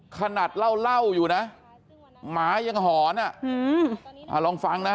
ขนาดเล่าอยู่นะหมายังหอนลองฟังนะ